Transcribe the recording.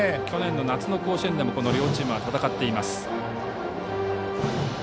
去年の夏の甲子園でもこの両チームは戦っています。